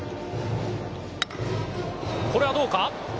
これはどうか？